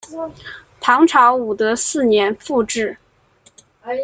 唐朝武德四年复置。